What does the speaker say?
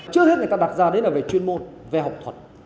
trước hết người ta đặt ra đến chuyên môn về học thuật